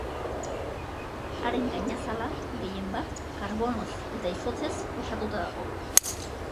Haren gainazala gehienbat karbonoz eta izotzez osatuta dago.